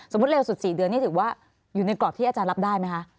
เร็วสุด๔เดือนนี่ถือว่าอยู่ในกรอบที่อาจารย์รับได้ไหมคะ